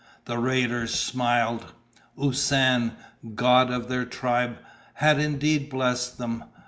The raiders smiled. Usan, god of their tribe, had indeed blessed them.